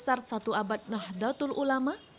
yang besar satu abad nahdlatul ulama